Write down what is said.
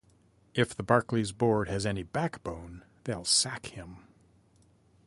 If the Barclays board has any backbone, they'll sack him.